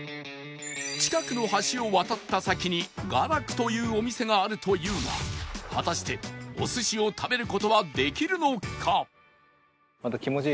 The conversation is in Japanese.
近くの橋を渡った先にガラクというお店があるというが果たしてお寿司を食べる事はできるのか！？